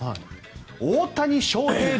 大谷翔平